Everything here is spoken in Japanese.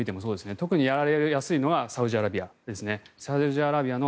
特にやられやすいのはサウジアラビアです。